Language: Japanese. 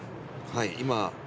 はい今。